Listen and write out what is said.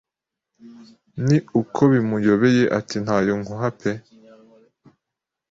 ni uko bimuyobeye ati ntayo nkuha pe